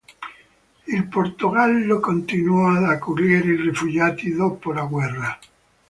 Il Portogallo continuò ad accogliere i rifugiati dopo la guerra.